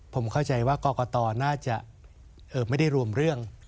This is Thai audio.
ผมเข้าใจว่ากรกตน่าจะไม่ได้รวมเรื่อง